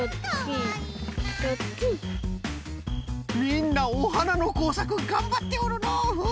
みんなおはなのこうさくがんばっておるのう！